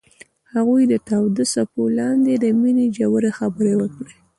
هغوی د تاوده څپو لاندې د مینې ژورې خبرې وکړې.